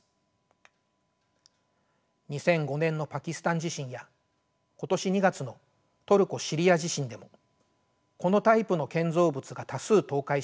２００５年のパキスタン地震や今年２月のトルコ・シリア地震でもこのタイプの建造物が多数倒壊しました。